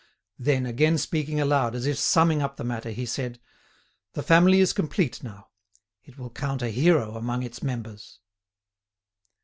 Then, again speaking aloud, as if summing up the matter, he said: "The family is complete now. It will count a hero among its members."